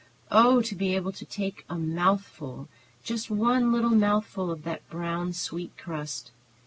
Oh, to be able to take a mouthful, just one little mouthful of that brown, sweet crust!